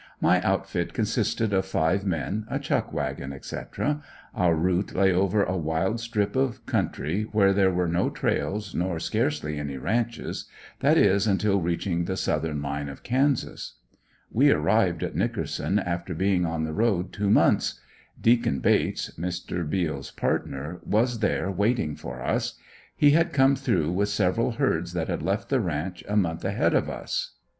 My outfit consisted of five men, a chuck wagon, etc. Our route lay over a wild strip of country where there was no trails nor scarcely any ranches that is, until reaching the southern line of Kansas. We arrived at Nickerson after being on the road two months. "Deacon" Bates, Mr. Beals partner, was there waiting for us. He had come through with several herds that had left the ranch a month ahead of us.